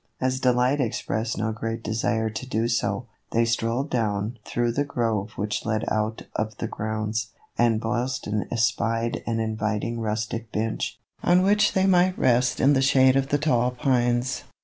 As Delight expressed no great desire to do so, they strolled down through the grove which led out of the grounds, and Boylston espied an inviting rustic bench, on which they might rest in the shade of the tall pines.